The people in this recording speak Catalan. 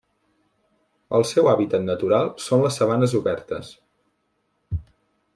El seu hàbitat natural són les sabanes obertes.